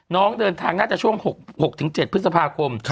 น้องเดินทางน่าจะช่วง๖๗พฤษภาคม